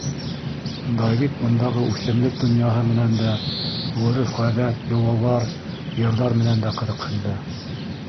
Давид бындағы үҫемлек донъяһы менән дә, ғөрөф-ғәҙәт, йолалар, йырҙар менән дә ҡыҙыҡһынды.